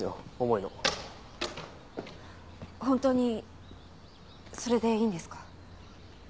本当にそれでいいんですか？